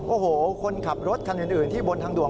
โอ้โหคนขับรถคันอื่นที่บนทางด่วน